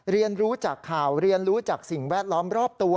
เรียนรู้จากข่าวเรียนรู้จากสิ่งแวดล้อมรอบตัว